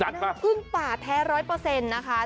น้ำผึ้งป่าแท้๑๐๐นะคะ